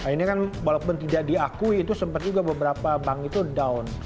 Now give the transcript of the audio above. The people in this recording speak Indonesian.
ini kan walaupun tidak diakui itu sempat juga beberapa bank itu down